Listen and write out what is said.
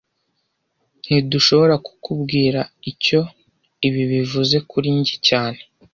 Ntidushobora kukubwira icyo ibi bivuze kuri njye cyane